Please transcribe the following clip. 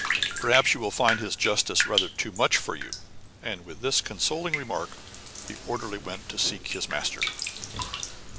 "Perhaps you will find his justice rather too much for you." And with this consoling remark, the orderly went to seek his master.